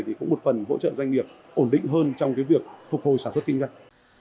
thì cũng một phần hỗ trợ doanh nghiệp ổn định hơn trong việc phục hồi sản xuất kinh doanh